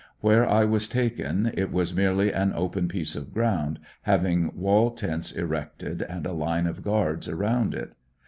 Where I was taken it was merely an open piece of ground, having wall tents erected and a line of guards around it.